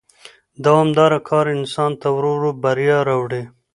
دوامدار کار انسان ته ورو ورو بریا راوړي